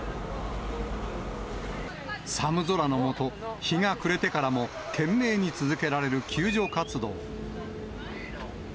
寒空の下、日が暮れてからも、懸命に続けられる救助活動。